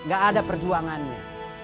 gak ada perjuangannya